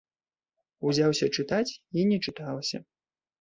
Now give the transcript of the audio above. Узяўся чытаць, і не чыталася.